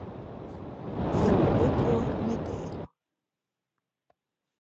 Jau otro nedēļu.